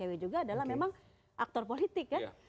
dan icp juga adalah memang aktor politik kan